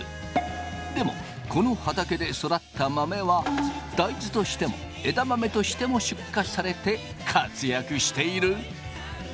でもこの畑で育った豆は大豆としても枝豆としても出荷されて活躍している。